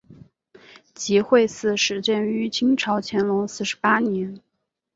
集惠寺始建于清朝乾隆四十八年。